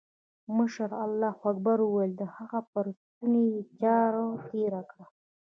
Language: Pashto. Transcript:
مشر الله اکبر وويل د هغه پر ستوني يې چاړه تېره کړه.